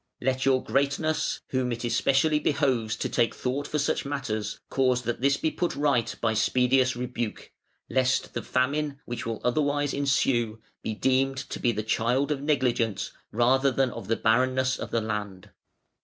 "Let your Greatness, whom it especially behoves to take thought for such matters, cause that this be put right by speediest rebuke: lest the famine, which will otherwise ensue, be deemed to be the child of negligence rather than of the barrenness of the land".